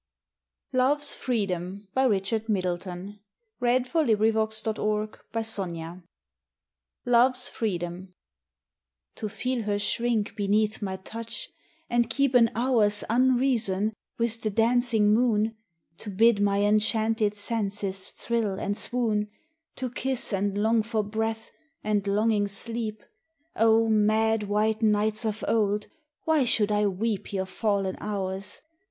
cal ; And on some rapt, enchanted night, They shall reveal my heart's delight. LOVE'S FREEDOM To feel her shrink beneath my touch, and keep An hour's unreason with the dancing moon ; To bid my enchanted senses thrill and swoon, To kiss and long for breath, and longing sleep ; Oh mad, white nights of old, why should I weep Your fallen hours